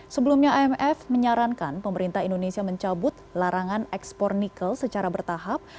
sebelumnya imf menyarankan pemerintah indonesia mencabut larangan ekspor nikel secara bertahap